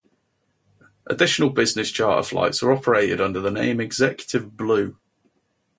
Additional business charter flights are operated under the name Executive Blue.